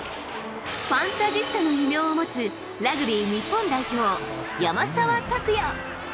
ファンタジスタの異名を持つ、ラグビー日本代表、山沢拓也。